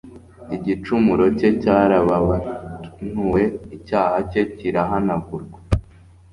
Igicumuro cye cyarababantue, icyaha cye kirahanagurwa;